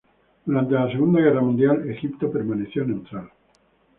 Durante la Segunda Guerra Mundial, Egipto permaneció neutral.